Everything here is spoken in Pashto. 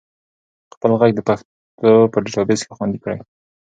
خپل ږغ د پښتو په ډیټابیس کې خوندي کړئ.